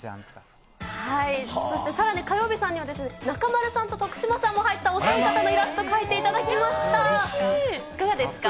そしてさらに火曜びさんには、中丸さんと徳島さんも入ったお三方のイラスト、描いていただきま